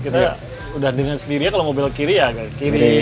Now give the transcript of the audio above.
kita udah dengan sendirinya kalau mobil kiri ya kiri